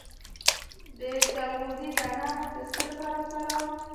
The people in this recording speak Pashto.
د چلغوزي دانه د څه لپاره وکاروم؟